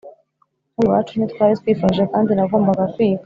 nk’ubu iwacu ntitwari twifashije kandi nagombaga kwiga